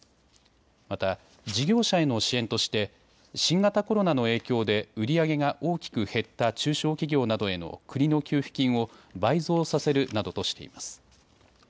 また事業者への支援として、新型コロナの影響で売り上げが大きく減った中小企業などへの国の給付金を倍増させるなどとしています。